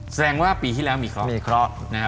แสดงว่าปีที่แล้วมีเคราะห์